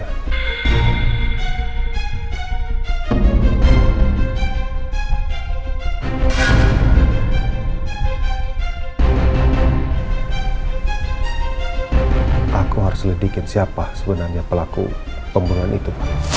ganteng pelakunya aku harus ledekin siapa sebenarnya pelaku pembunuhan itu